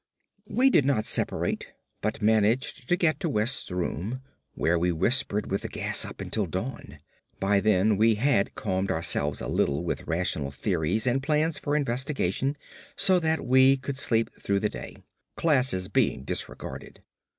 We did not separate, but managed to get to West's room, where we whispered with the gas up until dawn. By then we had calmed ourselves a little with rational theories and plans for investigation, so that we could sleep through the day—classes being disregarded.